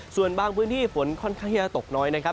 ส่วนบางพื้นที่ฝนค่อนข้างที่จะตกน้อยนะครับ